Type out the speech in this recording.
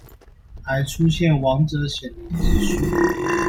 還出現亡者顯靈之術